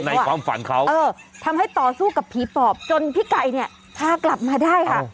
ในความฝันเขาเออทำให้ต่อสู้กับผีปอบจนพี่ไก่เนี่ยพากลับมาได้ค่ะ